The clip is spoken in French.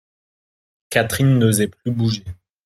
Catherine n'osait plus bouger.